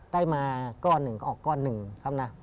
ได้มาก้อนหนึ่งก็ออกก้อนหนึ่งครับนะ